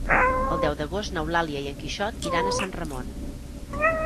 El deu d'agost n'Eulàlia i en Quixot iran a Sant Ramon.